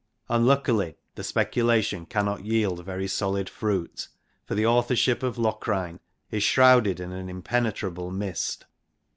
Unluckily the speculation cannot yield very solid fruit, for the authorship of Locrine is shrouded in an impenetrable mist.